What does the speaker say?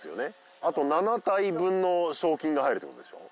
あと７体分の賞金が入るってことでしょ？